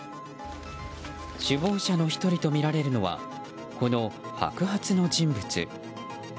首謀者の１人とみられるのはこの白髪の人物。